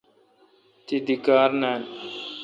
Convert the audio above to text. تی دی کار نان۔